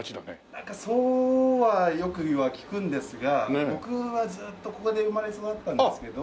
なんかそうはよくは聞くんですが僕はずっとここで生まれ育ったんですけど。